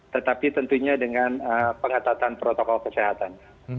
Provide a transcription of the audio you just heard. tetapi tentunya dengan pengetatan protokol kesehatan